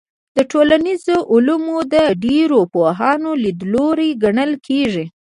دا د ټولنیزو علومو د ډېرو پوهانو لیدلوری ګڼل کېږي.